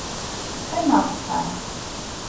qqimeɣ deg uxxam